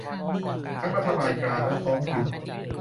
ทั้งรัฐบาลกลางและท้องถิ่น